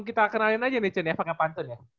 ya kita kenalin aja nih cen ya pake pantun ya